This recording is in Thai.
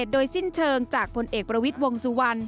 โดยสิ้นเชิงจากผลเอกประวิทย์วงสุวรรณ